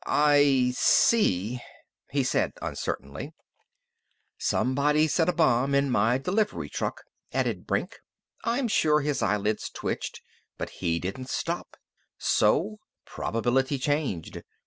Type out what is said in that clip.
"I see," he said uncertainly. "Somebody set a bomb in my delivery truck," added Brink. "I'm sure his eyelids twitched, but he didn't stop. So probability changed.